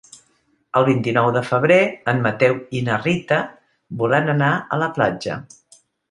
El vint-i-nou de febrer en Mateu i na Rita volen anar a la platja.